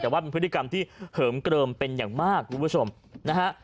แต่ว่าเป็นพฤติกรรมที่เหิมเกลิมเป็นอย่างมากคุณผู้ชมนะฮะ